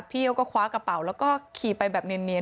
พี่เขาก็คว้ากระเป๋าแล้วก็ขี่ไปแบบเนียน